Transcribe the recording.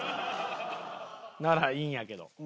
ならいいんやけど。